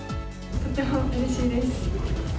とてもうれしいです。